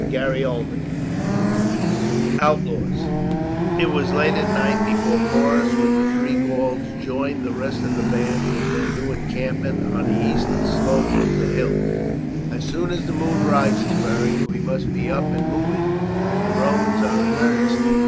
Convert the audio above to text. CHAPTER XIX: OUTLAWS It was late at night before Porus with the three Gauls joined the rest of the band in their new encampment on the eastern slope of the hills. "As soon as the moon rises, Beric, we must be up and moving. The Romans are in earnest.